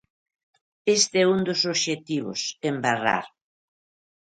Este é un dos obxectivos: embarrar.